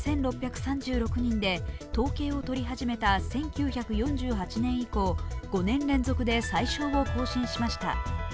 ２６３６人で統計をとり始めた１９４８年以降５年連続で最少を更新しました。